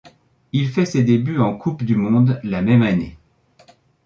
Il fait ses débuts en Coupe du monde la même année.